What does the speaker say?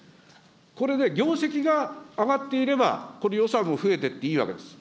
これね、業績が上がっていれば、ここで予算も増えていっていいわけです。